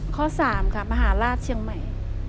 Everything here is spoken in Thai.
ข้อ๓ค่ะมหาราชเชียงใหม่